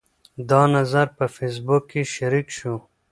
دا نظر په فیسبوک کې شریک شو.